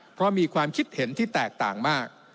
เพราะมีความคิดเห็นที่แตกต่างมาก